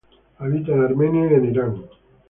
Habita en Armenia y en Irán.